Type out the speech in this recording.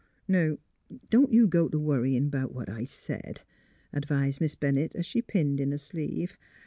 Now don't you go t' worryin' 'bout what I said," advised Miss Bennett, as she pinned in a sleeve.